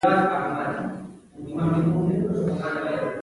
هېواد د انسان ټول احساسات پکې ژوند کوي.